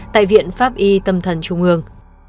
tại viện pháp y tâm thần trung ương